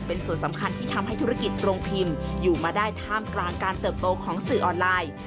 เป็นส่วนสำคัญที่ทำให้ธุรกิจโรงพิมพ์อยู่มาได้ท่ามกลางการเติบโตของสื่อออนไลน์